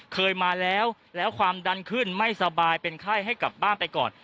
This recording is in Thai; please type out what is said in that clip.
เคยมาแล้วแล้วความดันขึ้นไม่สบายเป็นไข้ให้กลับบ้านไปก่อน